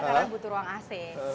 karena butuh ruang ac